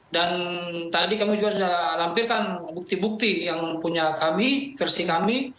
dan tadi kami juga sudah lampirkan bukti bukti yang punya kami versi kami